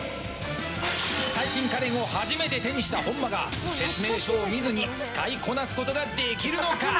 最新家電を初めて手にした本間が説明書を見ずに使いこなすことができるのか。